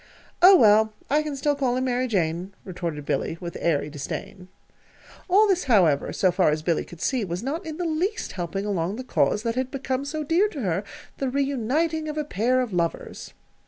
"Oh, well, I can still call him 'Mary Jane,'" retorted Billy, with airy disdain. All this, however, so far as Billy could see, was not in the least helping along the cause that had become so dear to her the reuniting of a pair of lovers.